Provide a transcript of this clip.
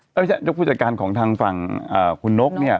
ไม่ใช่เจ้าผู้จัดการของทางฝั่งคุณนกเนี่ย